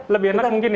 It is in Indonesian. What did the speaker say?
lebih enak mungkin ya